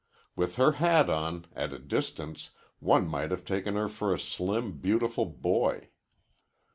With her hat on, at a distance, one might have taken her for a slim, beautiful boy.